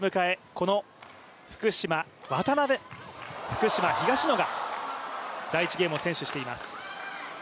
この福島・東野が第１ゲームを先取しています。